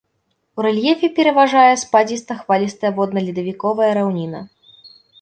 У рэльефе пераважае спадзіста-хвалістая водна-ледавіковая раўніна.